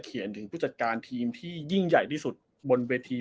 ถึงผู้จัดการทีมที่ยิ่งใหญ่ที่สุดบนเวที